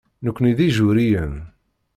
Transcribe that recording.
Nekkni d Ijuṛiyen.